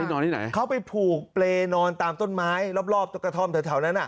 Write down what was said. นอนที่ไหนเขาไปผูกเปรย์นอนตามต้นไม้รอบรอบตกกระท่อมแถวนั้นอ่ะ